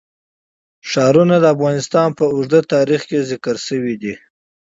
ښارونه د افغانستان په اوږده تاریخ کې ذکر شوی دی.